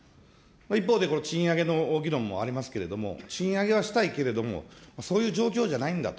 一方で、これ、賃上げの議論もありますけれども、賃上げはしたいけれども、そういう状況じゃないんだと。